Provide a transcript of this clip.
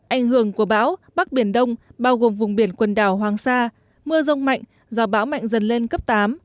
ảnh hưởng của bão bắc biển đông bao gồm vùng biển quần đảo hoàng sa mưa rông mạnh gió bão mạnh dần lên cấp tám